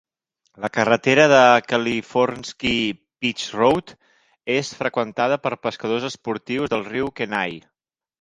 La carretera de Kalifornsky Beach Road és freqüentada per pescadors esportius del riu Kenai.